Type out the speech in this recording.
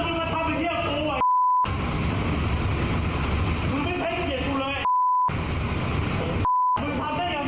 ขอโทษขอโทษครับหรือเปล่าขอโทษกูถ้ามายอมอย่าเอาพ่อมีทุกข์